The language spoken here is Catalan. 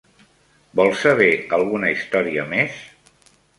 Vol saber alguna història més?